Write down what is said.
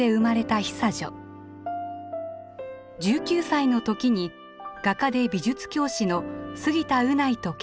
１９歳の時に画家で美術教師の杉田宇内と結婚。